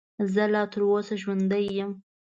زه لا تر اوسه ژوندی یم .